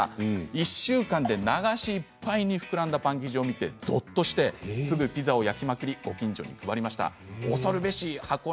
１週間で流しいっぱいに膨らんだパン生地見て、ぞっとしてすぐピザを焼きまくりご近所に配りました。